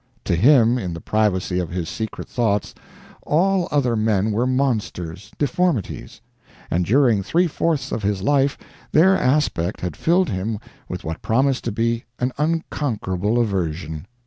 To him, in the privacy of his secret thoughts, all other men were monsters, deformities: and during three fourths of his life their aspect had filled him with what promised to be an unconquerable aversion.